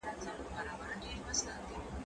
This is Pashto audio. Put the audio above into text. زه به د زده کړو تمرين کړی وي!.